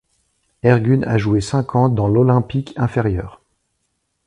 Ergun a joué cinq ans dans l'Olympique inférieure.